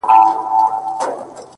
مينه كي هېره-